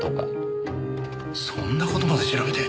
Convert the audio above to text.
そんな事まで調べて！